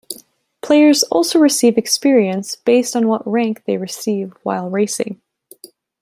Players also receive experience based on what rank they receive while racing.